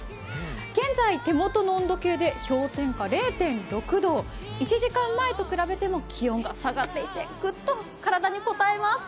現在、手元の温度計で氷点下０．６度１時間前と比べても気温が下がっていて、グッと体にこたえます。